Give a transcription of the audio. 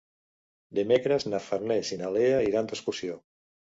Dimecres na Farners i na Lea iran d'excursió.